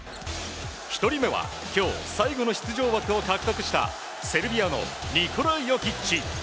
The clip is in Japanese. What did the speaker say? １人目は今日最後の出場枠を獲得したセルビアのニコラ・ヨキッチ。